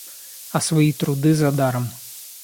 А свои труды задаром.